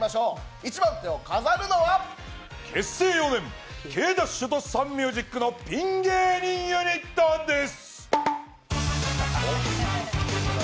１番手を飾るのは結成４年、ケイダッシュとサンミュージックのピン芸人ユニットです。